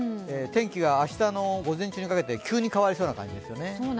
天気が明日の午前中にかけて急に変わりそうな感じです。